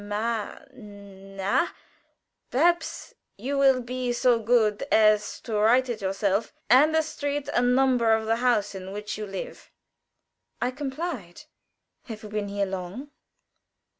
"M a na! Perhaps you will be so good as to write it yourself, and the street and number of the house in which you live." I complied. "Have you been here long?"